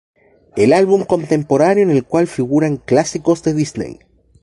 El álbum contemporáneo en el cual figuran clásicos de Disney.